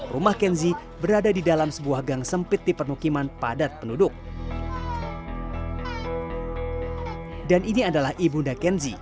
rumah kenzi berada di dalam sebuah gang sempit di penukiman padat penduduk